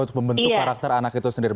untuk membentuk karakter anak itu sendiri